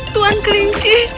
tuan kelinci bisakah kau